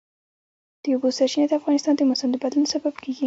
د اوبو سرچینې د افغانستان د موسم د بدلون سبب کېږي.